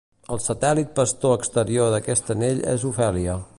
El satèl·lit pastor exterior d'aquest anell és Ofèlia.